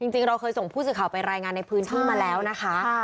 จริงเราเคยส่งผู้สื่อข่าวไปรายงานในพื้นที่มาแล้วนะคะ